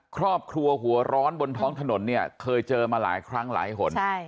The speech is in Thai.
ครอบครัวหัวร้อนบนท้องถนนเนี่ยเคยเจอมาหลายครั้งหลายหน